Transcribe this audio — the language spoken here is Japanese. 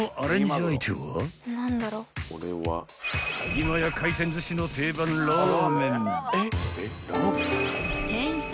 ［今や回転寿司の定番ラーメン］